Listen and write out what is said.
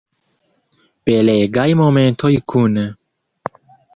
Belegaj momentoj kune.